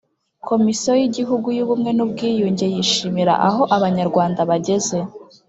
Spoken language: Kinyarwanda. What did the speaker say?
Komisiyo y Igihugu y Ubumwe n Ubwiyunge yishimira aho Abanyarwanda bageze